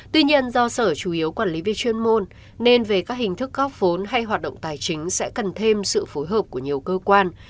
tuy nhiên do sở chủ yếu quản lý về chuyên môn nên về các hình thức góp vốn hay hoạt động tài chính sẽ cần thêm sự phối hợp của nhiều cơ quan